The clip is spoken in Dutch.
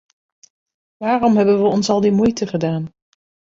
Waarom hebben we ons al die moeite gedaan?